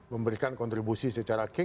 memberikan kontribusi secara